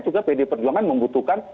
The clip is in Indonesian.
juga pd perjuangan membutuhkan